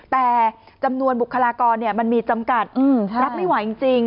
แต่จำนวนบุคลากรมันมีจำกัดรับไม่ไหวจริง